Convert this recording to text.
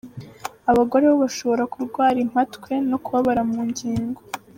Abagore bo bashobora kurwara impatwe no kubabara mu ngingo.